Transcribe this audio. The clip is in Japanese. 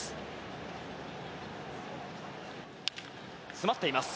詰まっています。